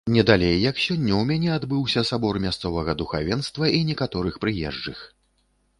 Не далей, як сёння ў мяне адбыўся сабор мясцовага духавенства і некаторых прыезджых.